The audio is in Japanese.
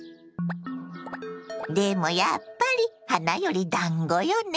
でもやっぱり花よりだんごよね。